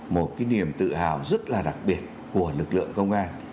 một cái niềm tự hào rất là đặc biệt của lực lượng công an